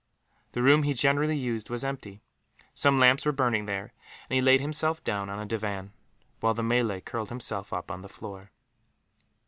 The room he generally used was empty. Some lamps were burning there, and he laid himself down on a divan, while the Malay curled himself up on the floor.